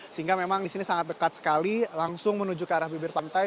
sehingga memang di sini sangat dekat sekali langsung menuju ke arah bibir pantai